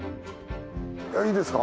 いいですか？